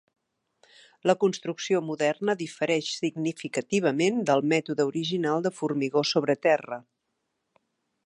La construcció moderna difereix significativament del mètode original de formigó sobre terra.